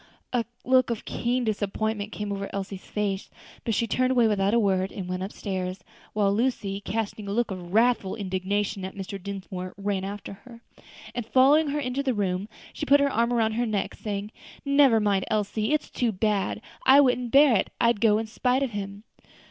A look of keen disappointment came over Elsie's face, but she turned away without a word and went upstairs; while Lucy, casting a look of wrathful indignation at Mr. Dinsmore, ran after her, and following her into her room, she put her arm round her neck, saying, "Never mind, Elsie; it's too bad, and I wouldn't bear it. I'd go in spite of him."